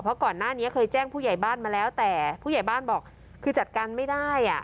เพราะก่อนหน้านี้เคยแจ้งผู้ใหญ่บ้านมาแล้วแต่ผู้ใหญ่บ้านบอกคือจัดการไม่ได้